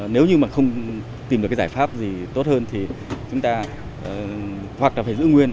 nếu như không tìm được giải pháp gì tốt hơn thì chúng ta hoặc là phải giữ nguyên